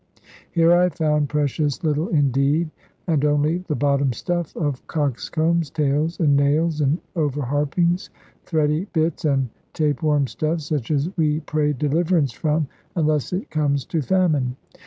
Here I found precious little indeed, and only the bottom stuff of coxcombs, tails, and nails, and over harpings, thready bits, and tapeworm stuff, such as we pray deliverance from, unless it comes to famine.